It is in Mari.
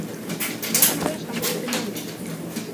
Мо кӱлеш, Андрей Семёныч?